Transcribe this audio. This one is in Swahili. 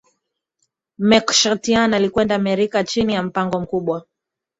Meskhetian walikwenda Amerika chini ya mpango mkubwa